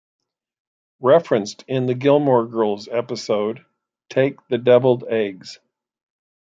Referenced in the Gilmore Girls episode, "Take the Deviled Eggs..."